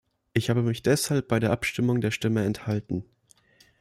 Ich habe mich deshalb bei der Abstimmung der Stimme enthalten.